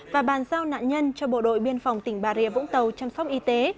và bàn giao nạn nhân cho bộ đội biên phòng tỉnh bà rịa vũng tàu chăm sóc y tế